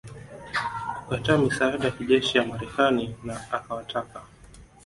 kukataa misaada ya kijeshi ya Marekani na akawataka